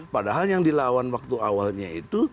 padahal yang dilawan waktu awalnya itu